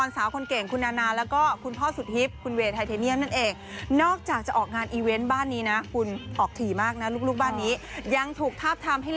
แสดงนี้เพิ่งมี